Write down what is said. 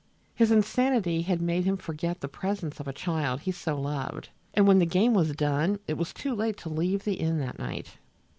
His insanity had made him forget the presence of the child he so loved, and when the game was done it was too late to leave the inn that night.